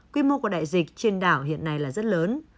quy mô của đại dịch trên đảo hiện nay là rất lớn